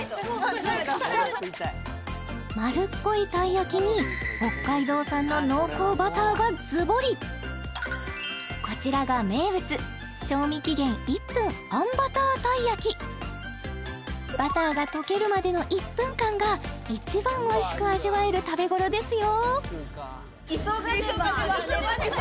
丸っこいたい焼きに北海道産の濃厚バターがズボリこちらが名物バターが溶けるまでの１分間が一番おいしく味わえる食べごろですよ